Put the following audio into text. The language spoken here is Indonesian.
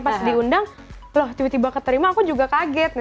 pas diundang loh tiba tiba keterima aku juga kaget